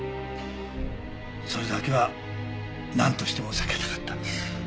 それだけはなんとしても避けたかったんです。